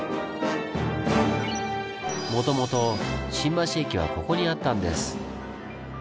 もともと新橋駅はここにあったんです。